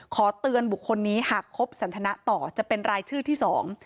ขอเตือนบุคคลนี้หากคบสันทนะต่อจะเป็นรายชื่อที่สอง